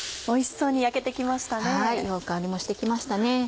おいしそうに焼けて来ましたね。